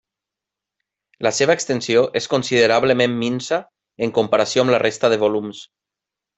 La seva extensió és considerablement minsa en comparació amb la resta de volums.